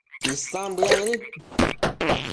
Isan bëec nid